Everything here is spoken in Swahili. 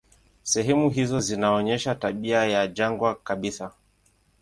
Sehemu hizo zinaonyesha tabia ya jangwa kabisa.